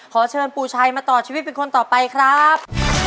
ขอเชิญปู่ชัยมาต่อชีวิตเป็นคนต่อไปครับ